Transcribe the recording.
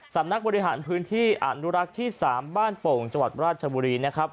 สำนักบริหารพื้นที่อนุรักษ์ที่๓บ้านโป่งจังหวัดราชบุรีนะครับ